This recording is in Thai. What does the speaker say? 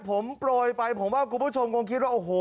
ผมโปรยไปผมว่าคุณผู้ชมคงคิดว่าโอ้โห